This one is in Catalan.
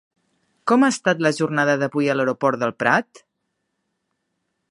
Com ha estat la jornada d'avui a l'Aeroport del Prat?